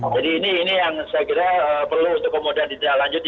jadi ini yang saya kira perlu untuk kemudahan di daerah lanjut